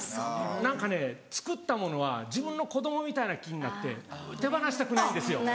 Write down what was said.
何かね作ったものは自分の子供みたいな気になって手放したくないんですよ。